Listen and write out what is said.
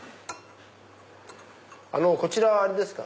こちらはあれですか？